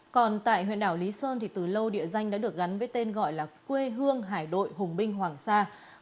còn tại huyện đảo lý sơn thì từ lâu địa danh đã được gắn với tên gọi là quê hương hải đội hùng binh hoàng sa